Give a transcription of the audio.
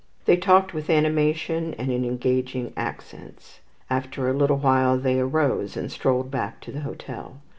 They talked with animation and in engaging accents. After a little while they arose and strolled back to the hotel.